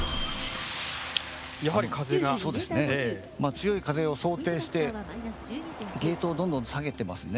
強い風を想定してゲートをどんどん下げてますね。